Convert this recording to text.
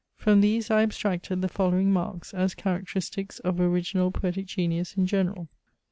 From these I abstracted the following marks, as characteristics of original poetic genius in general.